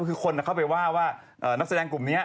คือคนเข้าไปว่าว่านักแสดงกลุ่มนี้